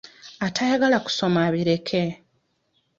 Atayagala kusoma abireke.